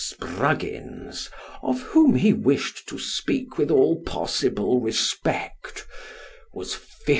Spruggins of whom ho wished to speak with all possible respect was 50.